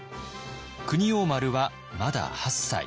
国王丸はまだ８歳。